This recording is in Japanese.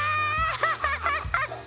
ハハハハ。